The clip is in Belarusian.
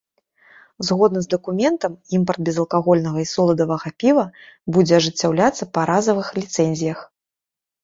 Згодна з дакументам, імпарт безалкагольнага і соладавага піва будзе ажыццяўляцца па разавых ліцэнзіях.